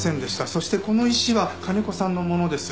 そしてこの石は金子さんのものです。